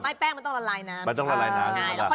ไม่แป้งมันต้องละลายน้ำ